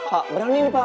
pak berani nih pak